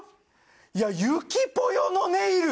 いや、ゆきぽよのネイル。